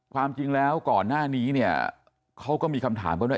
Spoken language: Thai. ความจริงแล้วก่อนหน้านี้เนี่ยเขาก็มีคำถามกันว่า